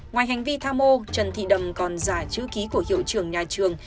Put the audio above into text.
ngoài hành vi tham mô trần thị đầm còn giả chữ ký của hiệu trưởng nhà trường